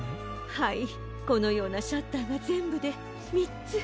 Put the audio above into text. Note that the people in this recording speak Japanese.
はいこのようなシャッターがぜんぶでみっつ。